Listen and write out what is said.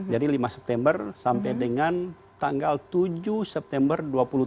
jadi lima september sampai dengan tanggal tujuh september dua puluh tiga lima puluh sembilan